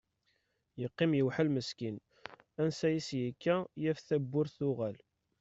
Yeqqim yewḥel meskin, ansa i s-yekka yaf tawwurt tuɣal.